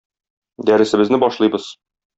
Дәресебезне башлыйбыз.